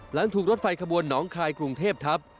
หลังถูกรถไฟขบวนหนองคายกรุงเทพทับ